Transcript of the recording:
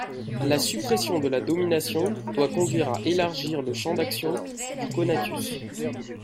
La suppression de la domination doit conduire à élargir le champ d'action du conatus.